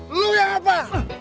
lu yang apa